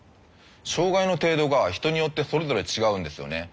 障がいの程度が人によってそれぞれ違うんですよね。